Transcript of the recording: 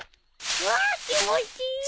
わあ気持ちいい！